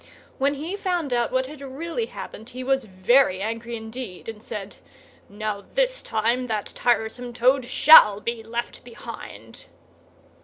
When he found out what had really happened he was very angry indeed, and said, "Now this time that tiresome Toad shall be left behind!"